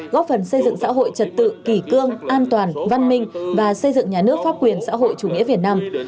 góp phần xây dựng xã hội trật tự kỷ cương an toàn văn minh và xây dựng nhà nước pháp quyền xã hội chủ nghĩa việt nam